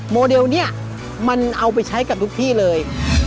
โมเดลเนี่ยมันเอาไปใช้กับทุกที่เลย